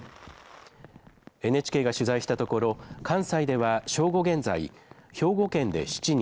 ＮＨＫが取材したところ関西では正午現在兵庫県で７人、